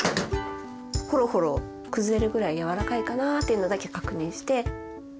ほろほろ崩れるぐらい柔らかいかなっていうのだけ確認して。